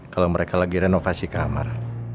kalau mereka lagi renovasi kamar